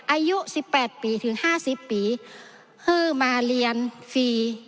อายุสิบแปดปีถึงห้าสิบปีคือมาเรียนฟรี